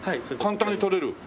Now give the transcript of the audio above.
簡単に撮れる。